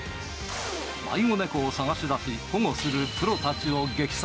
迷子猫を捜し出し保護するプロたちを劇撮。